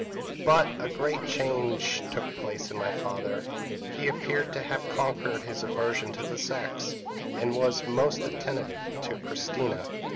But a great change took place in my father; he appeared to have conquered his aversion to the sex, and was most attentive to Christina.